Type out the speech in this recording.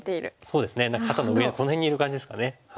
そうですね何か肩の上この辺にいる感じですかね。